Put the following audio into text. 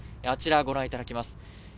あちらをご覧いただきます。